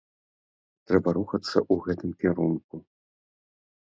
Трэба рухацца ў гэтым кірунку.